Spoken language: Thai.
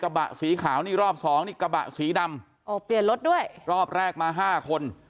กระบะสีขาวนี่รอบสองนี่กระบะสีดำโอ้เปลี่ยนรถด้วยรอบแรกมาห้าคน